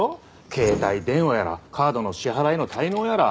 携帯電話やらカードの支払いの滞納やら。